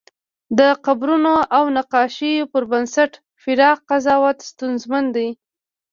د قبرونو او نقاشیو پر بنسټ پراخ قضاوت ستونزمن دی.